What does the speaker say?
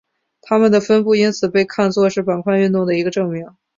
它们的分布因此被看作是板块运动的一个证明。